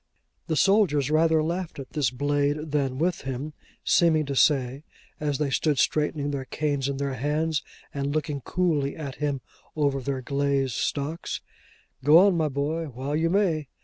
The soldiers rather laughed at this blade than with him: seeming to say, as they stood straightening their canes in their hands, and looking coolly at him over their glazed stocks, 'Go on, my boy, while you may!